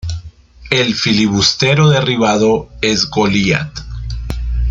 El filibustero derribado es Goliat.